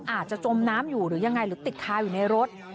จมน้ำอยู่หรือยังไงหรือติดคาอยู่ในรถ